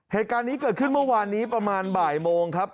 เหตุการณ์นี้เกิดขึ้นเมื่อวานนี้ประมาณบ่ายโมงครับ